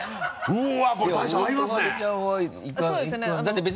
うん。